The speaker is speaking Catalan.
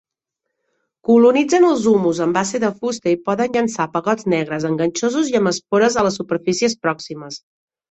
Colonitzen els humus amb base de fusta i poden llançar pegots negres, enganxosos i amb espores a les superfícies pròximes.